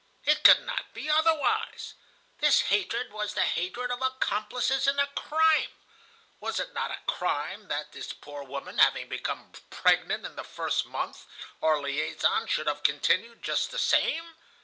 It could not be otherwise. This hatred was the hatred of accomplices in a crime. Was it not a crime that, this poor woman having become pregnant in the first month, our liaison should have continued just the same?